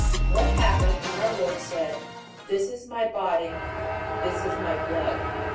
What happened when our Lord said, This is My body; this is My blood?